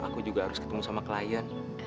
aku juga harus ketemu sama klien